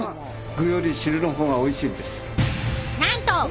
なんと！